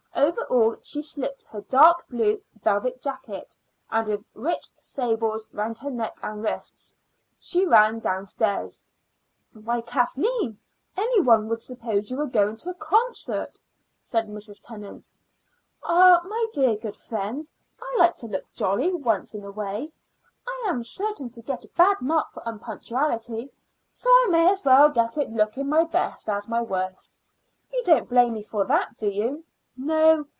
Over all she slipped her dark blue velvet jacket, and with rich sables round her neck and wrists, she ran downstairs. "Why, Kathleen, any one would suppose you were going to a concert," said Mrs. Tennant. "Ah, my dear good friend, I like to look jolly once in a way. I am certain to get a bad mark for unpunctuality, so I may as well get it looking my best as my worst. You don't blame me for that, do you?" "No.